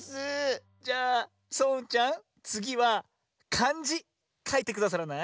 じゃあそううんちゃんつぎはかんじかいてくださらない？